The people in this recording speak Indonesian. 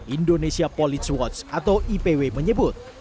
indonesia police watch atau ipw menyebut